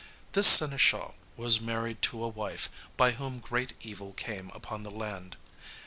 This seneschal was married to a wife, by whom great evil came upon the land.